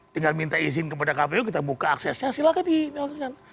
tinggal minta izin kepada kpu kita buka aksesnya silahkan dilakukan